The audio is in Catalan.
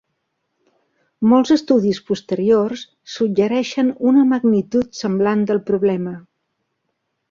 Molts estudis posteriors suggereixen una magnitud semblant del problema.